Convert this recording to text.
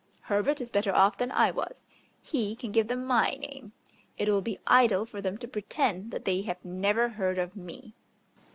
Herbert is better off than I was: he can give them my name. It will be idle for them to pretend that they have never heard of me.